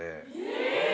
え！